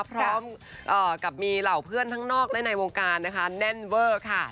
พร้อมกับมีเหล่าเพื่อนทั้งนอกและในวงการนะคะแน่นเวอร์ค่ะ